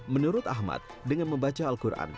menurut ahmad dengan membaca al quran